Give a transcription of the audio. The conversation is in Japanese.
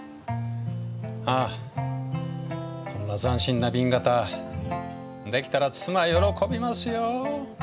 あこんな斬新な紅型できたら妻喜びますよ。